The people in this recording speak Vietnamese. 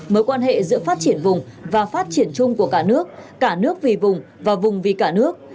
mối quan hệ giữa phát triển vùng và phát triển chung của cả nước cả nước vì vùng và vùng vì cả nước